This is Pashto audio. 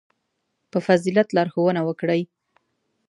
• په فضیلت لارښوونه وکړئ.